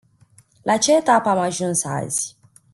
La ce etapă am ajuns azi?